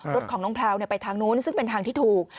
รถของน้องแพลวไปทางนู้นซึ่งเป็นทางที่ถูก